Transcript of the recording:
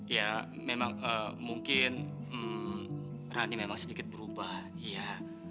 ya memang mungkin runni memang sedikit berubah ya